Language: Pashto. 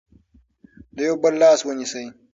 د یو بل لاس ونیسئ.